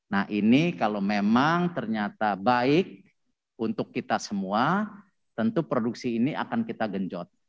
nah ini kalau memang ternyata baik untuk kita semua tentu produksi ini akan kita genjot